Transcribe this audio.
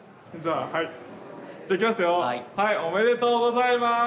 ありがとうございます。